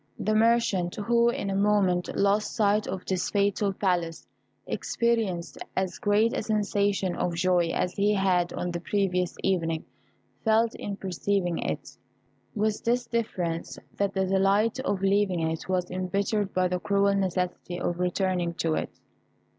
The merchant, who in a moment lost sight of this fatal palace, experienced as great a sensation of joy as he had on the previous evening felt in perceiving it, with this difference, that the delight of leaving it was embittered by the cruel necessity of returning to it.